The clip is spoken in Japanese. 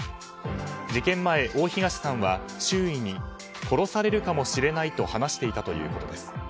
事件前、大東さんは周囲に殺されるかもしれないと話していたということです。